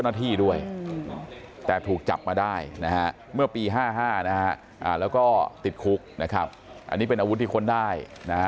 นะฮะอ่าแล้วก็ติดคุกนะครับอันนี้เป็นอาวุธที่คนได้นะฮะ